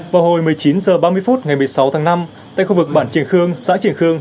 vào hồi một mươi chín h ba mươi phút ngày một mươi sáu tháng năm tại khu vực bản triển khương xã trường khương